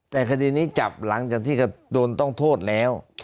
แต่คดีนี้จับหลังจากที่ก็โดนต้องโทษแล้ว